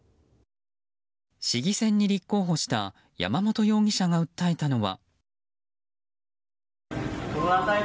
市議選に立候補した山本容疑者が訴えたのは。